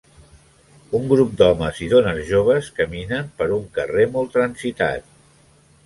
Un grup d'homes i dones joves caminen per un carrer molt transitat.